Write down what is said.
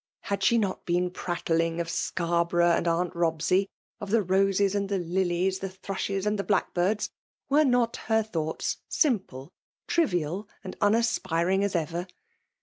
Had she not been prattling of Scarborough and Aunt Bobsey — of the roses and the lilies — the thrushes and the blfu; kbirds? W^e not her thoughts simple, trivial, and unaspiring as ever?